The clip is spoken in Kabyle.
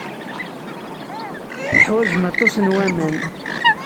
Teḥwajem aṭas n waman.